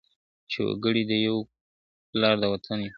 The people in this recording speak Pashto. چي وګړي د یوه پلار د وطن یو `